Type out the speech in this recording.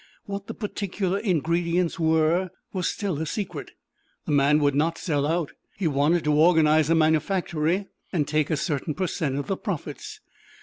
What the particular ingredients were, was still a secret. The man would not sell out; he wanted to organize a manufactory and take a certain per cent of the profits.